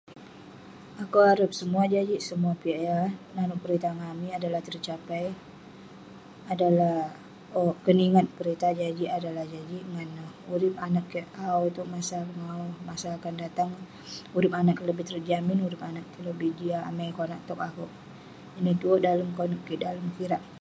Akouk harep semua jajik , semua piak yah eh nanouk peritah ngan amik adalah tercapai..adalah..owk...keningat peritah jajik adalah jajik ngan neh urip anag kik awu itouk, masa pengawu..masa akan datang..urip anag kik lebih terjamin, urip anag kik lebih jiak..amai konak towk akouk..ineh tuwerk dalem konep kik, dalem kira'k ..